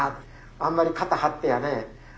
あんまり肩張ってやね